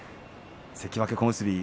関脇小結